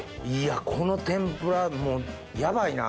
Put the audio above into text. この天ぷらもうヤバイな。